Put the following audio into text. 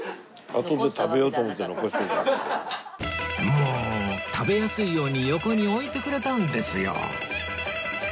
もう食べやすいように横に置いてくれたんですよ